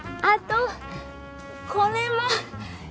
あとこれも。